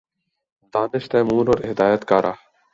دانش تیمور اور ہدایت کارہ